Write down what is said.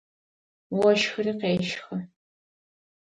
Ощхыри къещхы.